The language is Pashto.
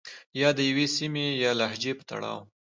يا د يوې سيمې يا لهجې په تړاو